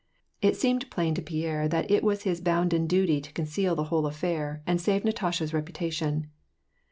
It seemed plain to Pierre that it was his bounden duty to conceal the whole affair, and save Natasha's reputation.